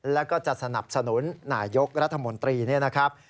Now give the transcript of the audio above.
แล้วก็จะสนับสนุนนายกรัฐมนตรีเนี่ยนะครับ